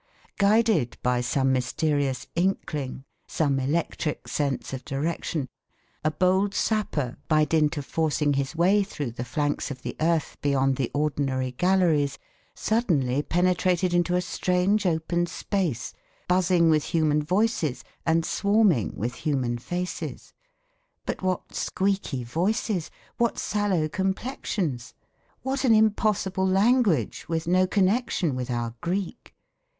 Guided by some mysterious inkling, some electric sense of direction, a bold sapper by dint of forcing his way through the flanks of the earth beyond the ordinary galleries suddenly penetrated into a strange open space buzzing with human voices and swarming with human faces. But what squeaky voices! What sallow complexions! What an impossible language with no connection with our Greek!